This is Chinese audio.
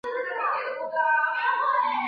汾州一直属于河东节度使。